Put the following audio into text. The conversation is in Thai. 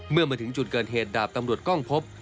เมื่อมาถึงจุดเกิดเหตุดาบตำรวจกล้องพบ